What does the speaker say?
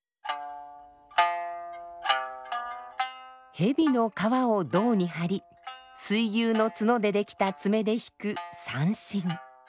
蛇の皮を胴に張り水牛の角で出来た爪で弾く三線。